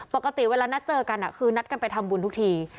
ปกติเวลานัดเจอกันคือนัดกันไปทำบุญทุกที